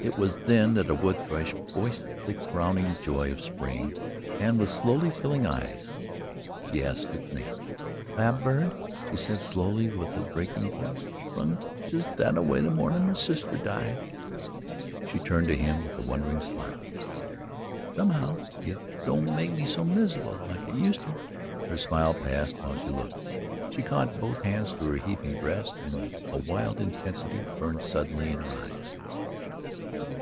It was then that a woodthrush voiced the crowning joy of spring, and with slowly filling eyes she asked its name. "That bird," she said slowly and with a breaking voice, "sung just that a way the mornin' my sister died." She turned to him with a wondering smile. "Somehow it don't make me so miserable, like it useter." Her smile passed while she looked, she caught both hands to her heaving breast and a wild intensity burned suddenly in her eyes.